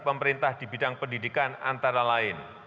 pemerintah di bidang pendidikan antara lain